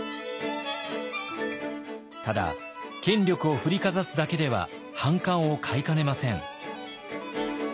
ただ権力を振りかざすだけでは反感を買いかねません。